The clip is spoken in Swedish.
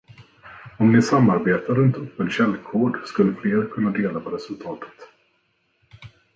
Om ni samarbetar runt öppen källkod skulle fler kunna dela på resultatet.